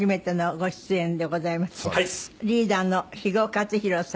リーダーの肥後克広さん。